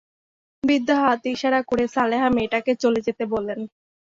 বৃদ্ধা হাত ইশারা করে সালেহা মেয়েটাকে চলে যেতে বললেন।